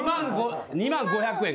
２万５００円か。